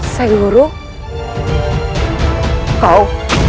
sayang guru kau